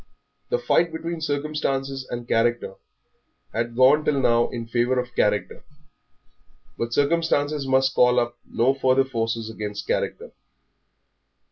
The fight between circumstances and character had gone till now in favour of character, but circumstances must call up no further forces against character.